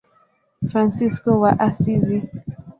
Fransisko wa Asizi.